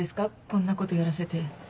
こんなことやらせて。